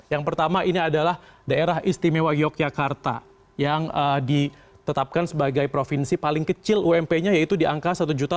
yang pertama ini adalah daerah istimewa yogyakarta yang ditetapkan sebagai provinsi paling kecil ump nya yaitu di angka satu tujuh ratus empat enam ratus delapan